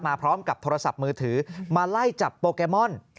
พร้อมกับโทรศัพท์มือถือมาไล่จับโปเกมอน